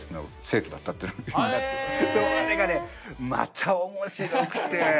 それがねまた面白くて。